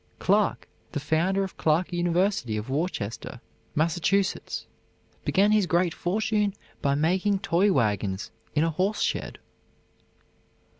Clark, the founder of Clark University of Worcester, Mass., began his great fortune by making toy wagons in a horse shed.